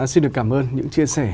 xin được cảm ơn những chia sẻ